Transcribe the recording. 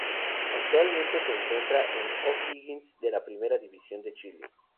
Actualmente se encuentra en O'Higgins de la Primera División de Chile.